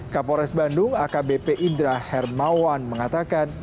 kapolres bandung akbp indra hermawan mengatakan